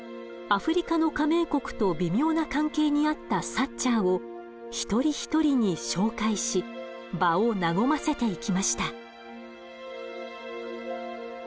アフリカの加盟国と微妙な関係にあったサッチャーを一人一人に紹介し場を和ませていきました。